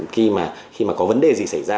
khi mà có vấn đề gì xảy ra